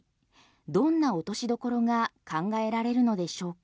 どんな落としどころが考えられるのでしょうか？